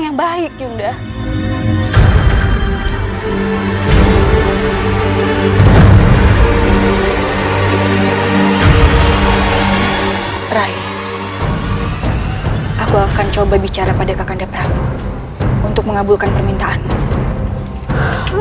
aku akan coba bicara pada kakanda prapu untuk mengabulkan permintaanmu